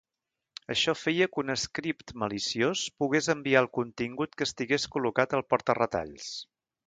Això feia que un script maliciós pogués enviar el contingut que estigués col·locat al porta-retalls.